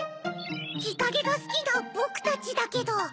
ひかげがスキなぼくたちだけど。